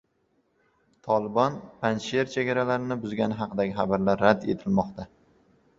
Tolibon Panjsher chegaralarini buzgani haqidagi xabarlar rad etilmoqda